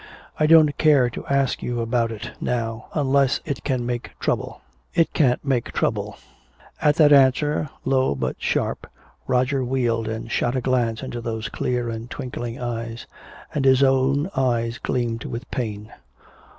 I don't care to ask you about it now unless it can make trouble." "It can't make trouble." At this answer, low but sharp, Roger wheeled and shot a glance into those clear and twinkling eyes. And his own eyes gleamed with pain.